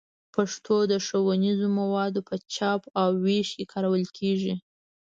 پښتو د ښوونیزو موادو په چاپ او ویش کې کارول کېږي.